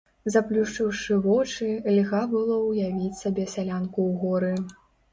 Заплюшчыўшы вочы, льга было ўявіць сабе сялянку ў горы.